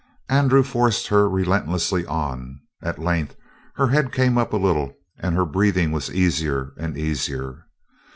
Andrew forced her relentlessly on. At length her head came up a little and her breathing was easier and easier.